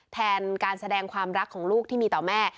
แทนการแสดงความรักของลูกที่มีต่อแม่